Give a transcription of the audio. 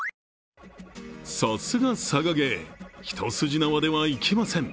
さすが佐賀ゲー、一筋縄ではいきません。